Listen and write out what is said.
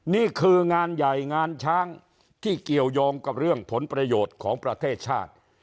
นี่คืองานใหญ่งานช้างที่เกี่ยวยงกับเรื่องผลประโยชน์ของประเทศชาติ